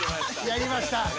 やりました。ああ！？